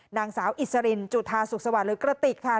นางสาวอิสรินจุธาสุขสวัสดิ์หรือกระติกค่ะ